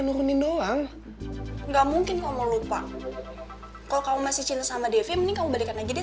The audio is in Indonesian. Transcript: nurunin doang nggak mungkin kamu lupa kalau kamu masih cinta sama devi mending kau balik lagi deh